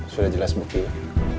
sudah jelas bukulah